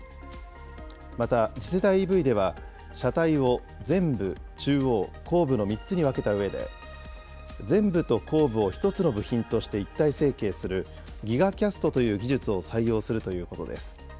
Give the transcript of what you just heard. また、次世代ＥＶでは車体を前部、中央、後部の３つに分けたうえで、前部と後部を１つの部品として一体成形するギガキャストという技術を採用するということです。